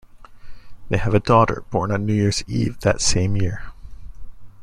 They have a daughter, born on New Year's Eve that same year.